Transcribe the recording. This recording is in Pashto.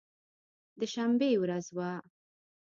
د شنبې ورځ وه.